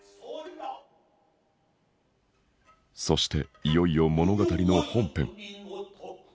そしていよいよ物語の本編。